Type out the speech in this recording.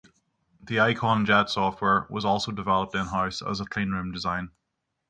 The Eiconjet software was also developed in-house as a Clean Room design.